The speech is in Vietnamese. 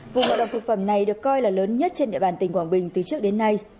vụ ngộ độc thực phẩm này được coi là lớn nhất trên địa bàn tỉnh quảng bình từ trước đến nay